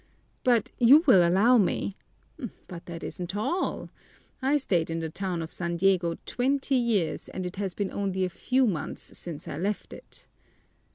"But you will allow me " "But that isn't all. I stayed in the town of San Diego twenty years and it has been only a few months since I left it."